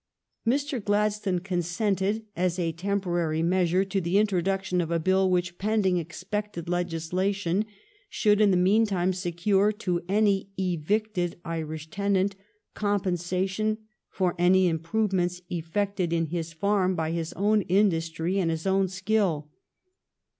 Mr. Gladstone consented, as a temporary measure, to the introduction of a bill which, pending ex pected legislation, should in the meantime secure to any evicted Irish tenant compensation for any improvements effected in his farm by his own industry and his own skill.